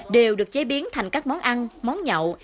đều được chế biến thành các món ăn món nhậu